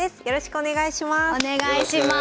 お願いします。